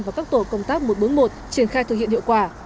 và các tổ công tác một trăm bốn mươi một triển khai thực hiện hiệu quả